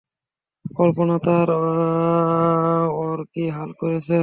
কল্পনা কর তারা ওর কি হাল করেছে।